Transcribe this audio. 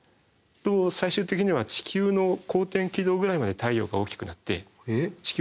最終的には地球の公転軌道ぐらいまで太陽が大きくなって地球のみ込まれておしまい。